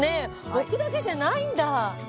置くだけじゃないんだ。